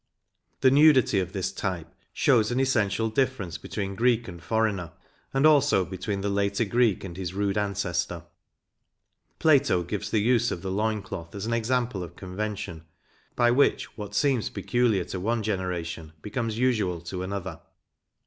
The nudity of this type shows an essential difference between Greek and foreigner and also between the later Greek and his rude ancestor. Plato gives the use of the loin cloth as an example of convention, by which what seems peculiar to one generation becomes usual to another.